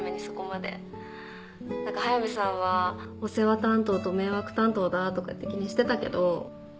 何か速見さんはお世話担当と迷惑担当だとかって気にしてたけど。